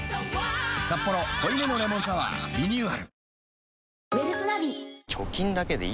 「サッポロ濃いめのレモンサワー」リニューアル